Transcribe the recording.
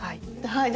はい。